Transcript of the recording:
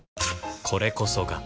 これこそが